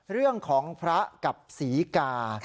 เรื่องของพระกับศรีกา